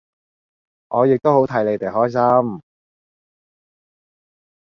我亦都好替你地開心